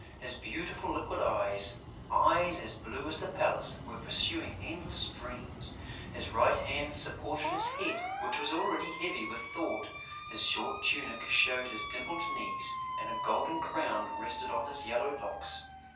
His beautiful, liquid eyes, eyes as blue as the palace, were pursuing endless dreams; his right hand supported his head, which was already heavy with thought; his short tunic showed his dimpled knees; and a golden crown rested on his yellow locks.